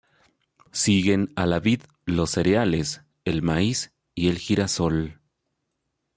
Siguen a la vid los cereales, el maíz y el girasol.